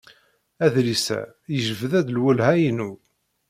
Adlis-a yejbed-d lwelha-inu.